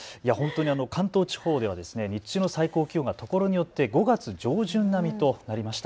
本当に関東地方では日中の最高気温がところによって５月上旬並みとなりました。